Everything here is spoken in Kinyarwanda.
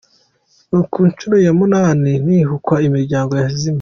Ni ku nshuro ya munani hibukwa imiryango yazimye.